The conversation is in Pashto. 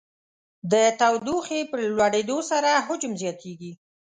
د تودوخې په لوړېدو سره حجم زیاتیږي.